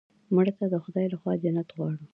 مړه ته د خدای له خوا جنت غواړو